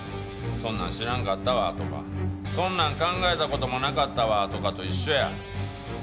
「そんなん知らんかったわ」とか「そんなん考えた事もなかったわ」とかと一緒や。